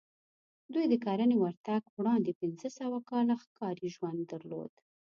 دوی د کرنې ورتګ وړاندې پنځه سوه کاله ښکاري ژوند درلود